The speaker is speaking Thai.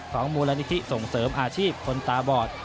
มูลนิธิส่งเสริมอาชีพคนตาบอด